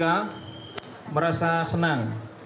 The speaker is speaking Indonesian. saya merasa senang